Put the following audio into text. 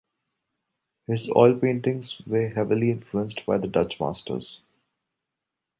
His oil paintings were heavily influenced by the Dutch Masters.